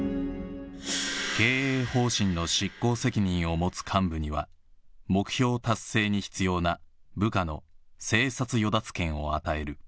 経営方針の執行責任を持つ幹部には、目標達成に必要な部下の生殺与奪権を与える。